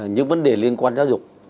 những vấn đề liên quan giáo dục